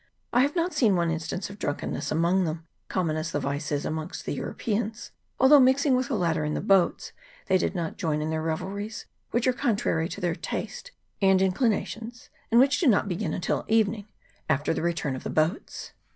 I have not seen one instance of drunkenness amongst them, common as the vice is amongst the Europeans; although mixing with the latter in the boats, they did not join in their revelries, which are contrary to their taste and inclinations, and which do not begin until the evening, after the return of the boats.